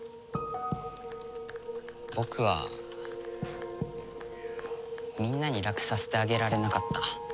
僕はみんなにラクさせてあげられなかった。